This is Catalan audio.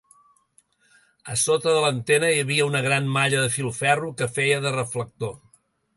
A sota de l'antena hi havia una gran malla de filferro que feia de reflector.